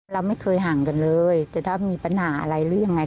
เราไม่เคยห่างกันเลยแต่ถ้ามีปัญหาอะไรหรือยังไง